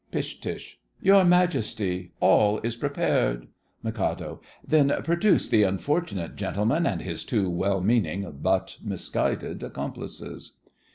PISH. Your Majesty, all is prepared. MIK. Then produce the unfortunate gentleman and his two well meaning but misguided accomplices.